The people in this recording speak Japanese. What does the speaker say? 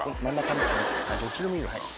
どっちでもいいのか。